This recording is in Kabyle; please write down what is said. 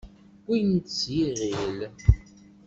Wwin-t s yiɣil.